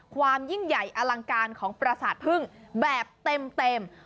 ความยิ่งใหญ่อลังการของประสาทพึ่งแบบเต็ม